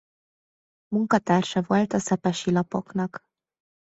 Munkatársa volt a Szepesi Lapoknak.